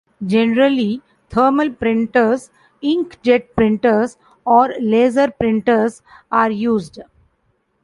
Generally thermal printers, ink jet printers or laser printers are used.